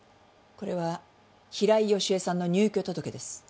これは平井佳恵さんの入居届です。